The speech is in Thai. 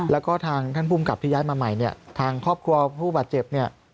แล้วก็ทางท่านภูมิกับที่ย้ายมาใหม่เนี่ยทางครอบครัวผู้บาดเจ็บเนี่ย